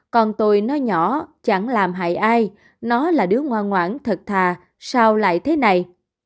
còn tôi nói nhỏ chẳng làm hại ai nó là đứa ngoan ngoãn thật thà sao lại thế này